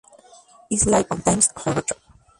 His Life and Times", “Jruschov.